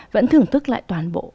vẫn thưởng thức lại toàn bộ